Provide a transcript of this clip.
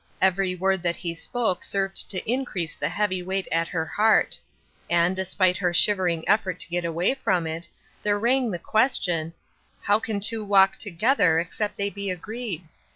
Every word that he spoke served to increase the heavy weight at her heart; and, despite her shivering effort to get away from it, there rang the question, "How can two walk together except they be agreed?"